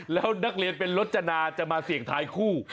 แล้วนักเรียนเป็นรจนาจะมาเสี่ยงทายคู่